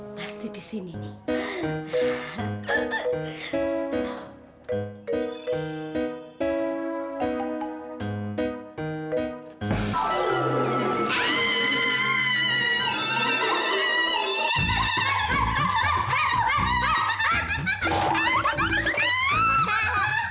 pasti disini nih